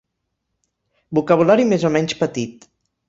Vocabulari més o menys petit.